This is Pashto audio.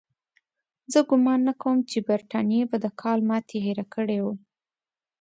زه ګومان نه کوم چې برټانیې به د کال ماتې هېره کړې وي.